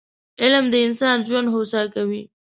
علم د انسان ژوند هوسا کوي